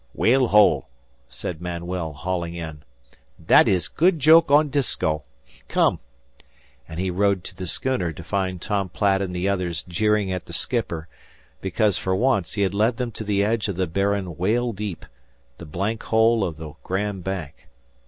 "Whale hole," said Manuel, hauling in. "That is good joke on Disko. Come!" and he rowed to the schooner to find Tom Platt and the others jeering at the skipper because, for once, he had led them to the edge of the barren Whale deep, the blank hole of the Grand Bank.